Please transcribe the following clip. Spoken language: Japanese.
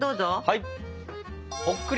はい！